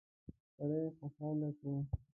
سړی خوشاله شو.